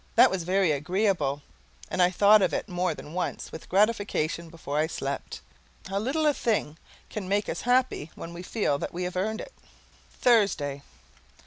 That was very agreeable, and I thought of it more than once with gratification before I slept. How little a thing can make us happy when we feel that we have earned it! THURSDAY.